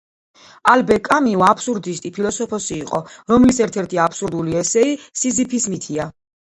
ალბერ კამიუ აბსურდისტი ფილოსოფოსი იყო რომლის ერთ-ერთი აბსურდული ესეი ,,სიზიფის მითია"